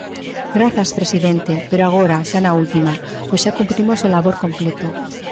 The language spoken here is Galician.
Grazas, presidente, pero agora, xa na última, pois xa cumprimos o labor completo.